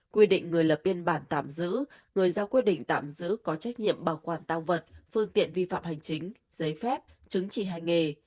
quy định người lập biên bản tạm giữ người ra quyết định tạm giữ có trách nhiệm bảo quản tăng vật phương tiện vi phạm hành chính giấy phép chứng chỉ hành nghề